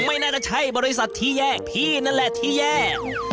ไม่น่าจะใช่บริษัทที่แยกพี่นั่นแหละที่แย่